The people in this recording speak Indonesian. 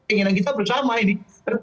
inginan kita bersama ini